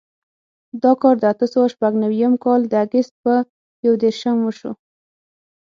دا کار د اتو سوو شپږ نوېم کال د اګست په یودېرشم وشو.